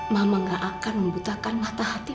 mama gak akan membutakan mata hati